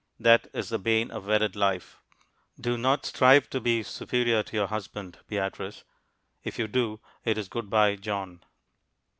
That is the bane of wedded life. Do not strive to be superior to your husband, Beatrice. If you do, it is good bye, John.